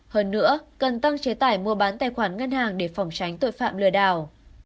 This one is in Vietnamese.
hơn nữa cần tăng chế tải mua bán tài khoản ngân hàng để phòng tránh tội phạm lừa đảo